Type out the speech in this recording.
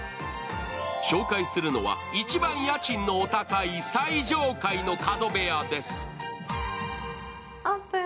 紹介するのは、一番家賃のお高い最上階の角部屋です。